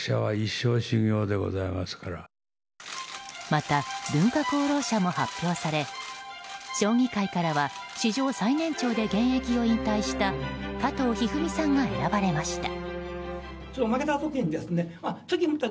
また文化功労者も発表され将棋界からは史上最年長で現役を引退した加藤一二三さんが選ばれました。